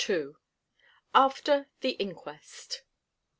AFTER THE INQUEST.